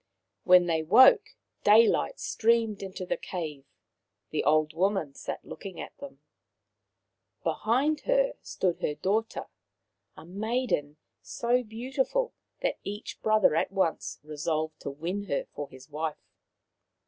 When they woke, daylight streamed into the cave. The old woman sat looking at them. Be hind her stood her daughter, a maiden so beau tiful that each brother at once resolved to win her for his wife.